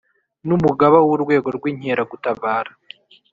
N’ umugaba w ‘urwego rw’ Inkeragutabara